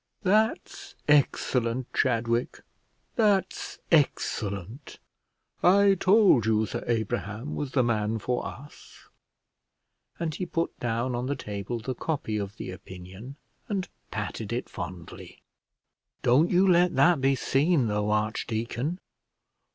"That's excellent, Chadwick; that's excellent! I told you Sir Abraham was the man for us;" and he put down on the table the copy of the opinion, and patted it fondly. "Don't you let that be seen, though, archdeacon."